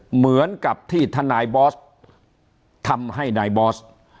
เหมือนกับที่ทนายบอสทำให้นายบอส